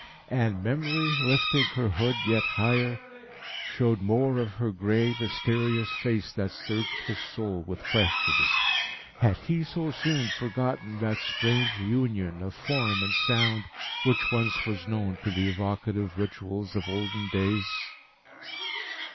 And memory, lifting her hood yet higher, showed more of her grey, mysterious face that searched his soul with questions. Had he so soon forgotten that strange union of form and sound which once was known to the evocative rituals of olden days?